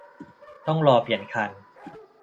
ต้องรอเปลี่ยนคัน